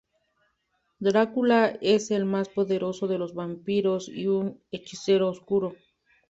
Drácula es el más poderoso de los vampiros y un hechicero oscuro.